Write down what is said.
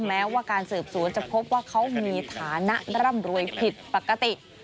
แม้ว่าการสืบสวนจะพบว่าเขามีฐานะร่ำรวยผิดปกติ